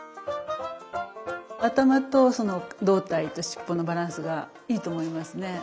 頭とその胴体と尻尾のバランスがいいと思いますね。